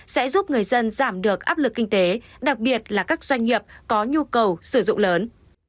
sẽ giúp người dân giảm được áp lực kinh tế đặc biệt là các doanh nghiệp có nhu cầu sử dụng lớn